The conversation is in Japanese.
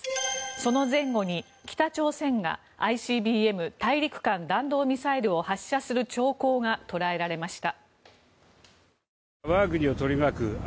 その前後に北朝鮮がＩＣＢＭ・大陸間弾道ミサイルを発射する兆候が捉えられました。